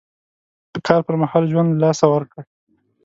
د کار پر مهال ژوند له لاسه ورکړ.